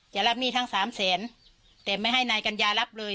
จะรับหนี้ทั้งสามแสนแต่ไม่ให้นายกัญญารับเลย